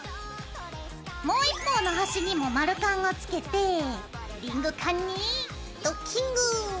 もう一方の端にも丸カンをつけてリングカンにドッキングー！